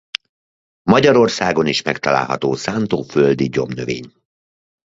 Magyarországon is megtalálható szántóföldi gyomnövény.